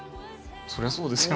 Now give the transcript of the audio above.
そりゃそうですよ。